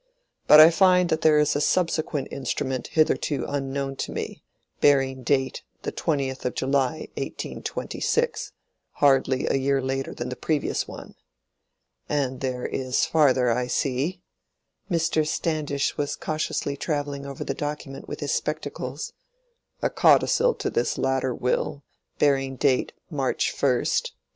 But I find that there is a subsequent instrument hitherto unknown to me, bearing date the 20th of July, 1826, hardly a year later than the previous one. And there is farther, I see"—Mr. Standish was cautiously travelling over the document with his spectacles—"a codicil to this latter will, bearing date March 1, 1828."